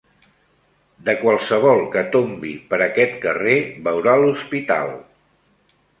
De qualsevol que tombi per aquest carrer veurà l'hospital.